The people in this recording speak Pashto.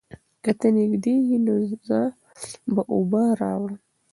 که ته تږی یې، نو زه به اوبه راوړم.